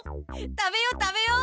食べよう食べよう。